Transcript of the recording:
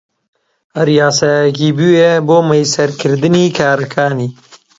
هەر یاسایەکی بوێ بۆ مەیسەرکردنی کارەکانی